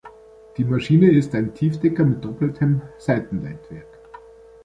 Die Maschine ist ein Tiefdecker mit doppeltem Seitenleitwerk.